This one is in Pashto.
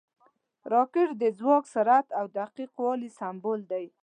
راکټ د ځواک، سرعت او دقیق والي سمبول دی